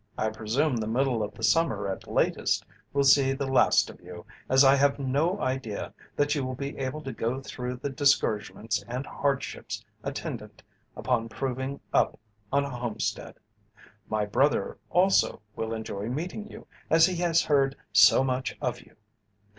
I presume the middle of the summer at latest will see the last of you as I have no idea that you will be able to go through the discouragements and hardships attendant upon proving up on a homestead. My brother also will enjoy meeting you as he has heard so much of you.